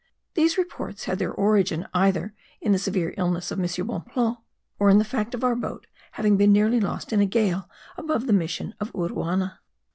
These reports had their origin either in the severe illness of M. Bonpland, or in the fact of our boat having been nearly lost in a gale above the mission of Uruana.